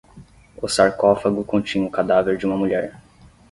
O sarcófago continha o cadáver de uma mulher.